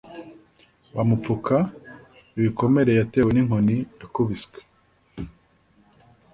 bamupfuka ibikomere yatewe n'inkoni yakubiswe